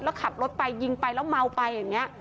แล้วขับรถไปยิงไปแล้วเมาไปอย่างนี้